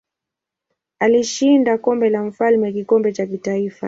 Alishinda Kombe la Mfalme kikombe cha kitaifa.